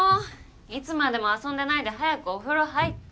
いつまでも遊んでないで早くお風呂入って。